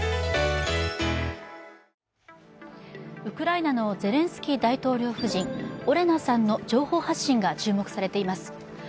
ウクライナのゼレンスキー大統領夫人オレナさんの情報発信が注目されています。